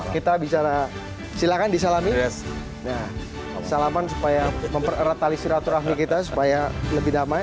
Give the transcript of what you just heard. kita bicara silahkan disalami salamkan supaya mempererat tali siratur rahmi kita supaya lebih damai